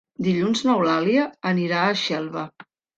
Dilluns n'Eulàlia anirà a Xelva.